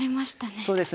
そうですね